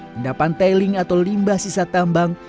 pendapan tailing atau limbah sisa tambang